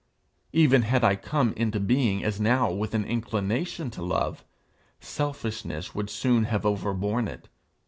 Even had I come into being as now with an inclination to love, selfishness would soon have overborne it.